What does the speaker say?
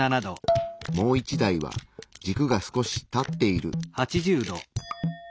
もう一台は軸が少し立っている。